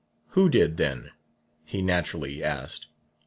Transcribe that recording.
'Who did, then?' he naturally asked.